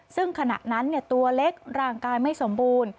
ซึ่งขณะนั้นตัวเล็กร่างกายไม่สมบูรณ์